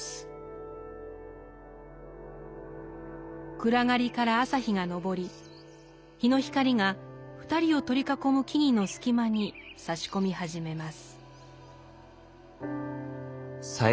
暗がりから朝日が昇り日の光が２人を取り囲む木々の隙間にさし込み始めます。